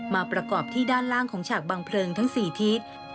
มาประกอบที่ด้านล่างของฉากบางเพลิงทั้ง๔ทิศ